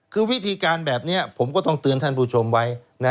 คือวิธีการแบบนี้ผมก็ต้องเตือนท่านผู้ชมไว้